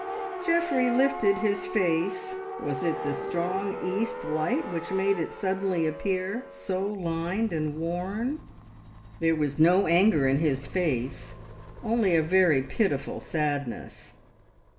Geoffrey lifted his face was it the strong east light which made it suddenly appear so lined and worn? There was no anger in his face, only a very pitiful sadness.